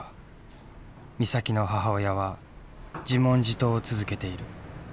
美咲の母親は自問自答を続けている。